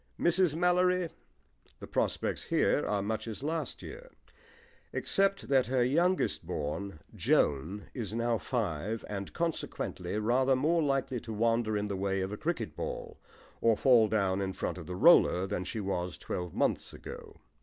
MRS. MALLORY The prospects here are much as last year, except that her youngest born, Joan, is now five, and consequently rather more likely to wander in the way of a cricket ball or fall down in front of the roller than she was twelve months ago.